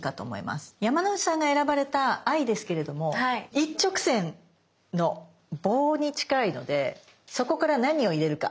山之内さんが選ばれた「Ｉ」ですけれども一直線の棒に近いのでそこから何を入れるか。